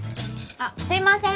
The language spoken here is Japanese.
あっすいません。